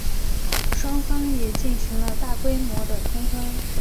双方也进行了大规模的通婚。